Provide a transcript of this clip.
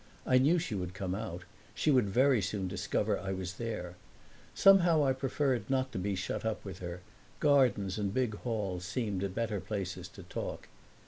I knew she would come out; she would very soon discover I was there. Somehow I preferred not to be shut up with her; gardens and big halls seemed better places to talk.